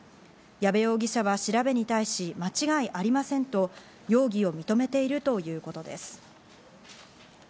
矢部容疑者は調べに対し、間違いありませんと、容疑を認めているということです。